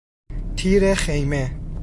تیر خیمه